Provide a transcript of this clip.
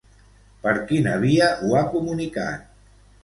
Per quina via ho ha comunicat?